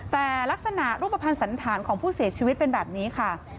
แต่ลักษณะรูปภัณฑ์สันธารของผู้เสียชีวิตเป็นแบบนี้ค่ะ